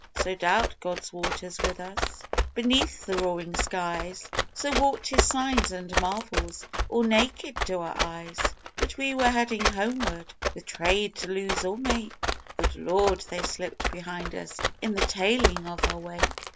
So dealt God's waters with us Beneath the roaring skies, So walked His signs and marvels All naked to our eyes: But we were heading homeward With trade to lose or make Good Lord, they slipped behind us In the tailing of our wake!